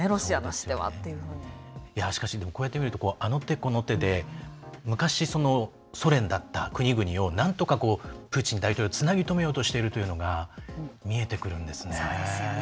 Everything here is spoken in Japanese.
しかし、こうやって見るとあの手この手で昔、ソ連だった国々をなんとか、プーチン大統領つなぎ止めようとしているというのが見えてくるんですね。